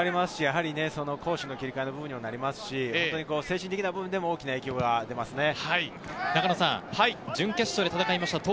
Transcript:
攻守の切り替えの部分にもなりますし、精神的な面でも大きな影響が出ますね。